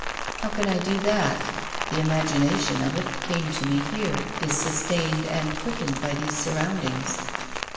" How can I do that ? The imagination of it came to me here, is sustained and quickened by these surroundings."